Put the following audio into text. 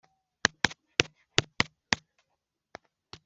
Amaherezo uzatangira kubwirizanya n itorero